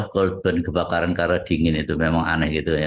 korban kebakaran karena dingin itu memang aneh gitu ya